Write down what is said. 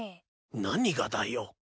何がだよ。